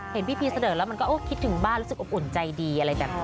เห็นพี่สะเดินแล้วมันก็คิดถึงบ้านรู้สึกอบอุ่นใจดี